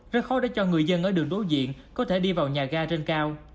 rất khó để cho người dân ở đường đối diện có thể đi vào nhà ga trên cao